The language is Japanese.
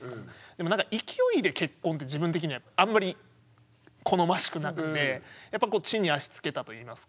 でも勢いで結婚って自分的にはあんまり好ましくなくてやっぱ地に足つけたといいますか。